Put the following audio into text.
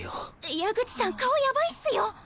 矢口さん顔やばいっすよ！